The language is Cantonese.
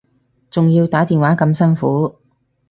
仲要打電話咁辛苦